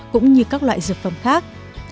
cũng như các loại dược phẩm khác